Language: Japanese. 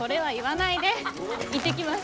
行ってきます。